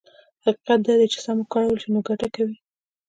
حقيقت دا دی چې که سم وکارول شي نو ګټه کوي.